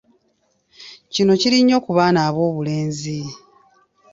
Kino kiri nnyo ku baana ab'obulenzi.